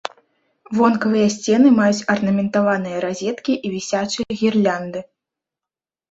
Вонкавыя сцены маюць арнаментаваныя разеткі і вісячыя гірлянды.